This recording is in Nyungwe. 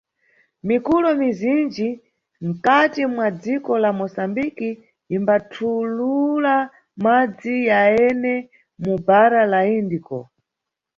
Mikulo mizinji nkhati mwa dziko la Moçambique imbathulula madzi yayene mu bhara la Indiko.